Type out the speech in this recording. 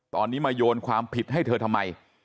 ตอนนี้มาโยนความผิดให้เธอทำไม